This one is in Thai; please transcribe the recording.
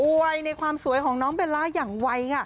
วยในความสวยของน้องเบลล่าอย่างไวค่ะ